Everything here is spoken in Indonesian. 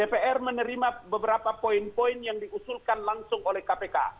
dpr menerima beberapa poin poin yang diusulkan langsung oleh kpk